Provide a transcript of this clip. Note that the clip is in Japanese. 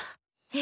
え！